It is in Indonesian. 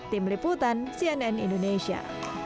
tim liputan cnn indonesia